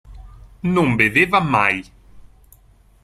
Non beveva mai.